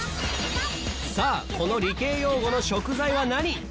さあこの理系用語の食材は何？